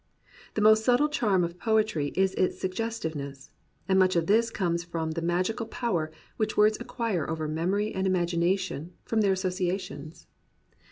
The most subtle charm of poetry is its suggestive ness; and much of this comes from the magical power which words acquire over memory and imagi nation, from their associations.